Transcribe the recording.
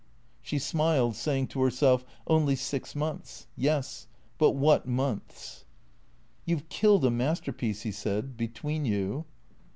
She smiled, saying to herself, " Only six months. Yes. But what months !"" You 've killed a masterpiece," he said, " between you."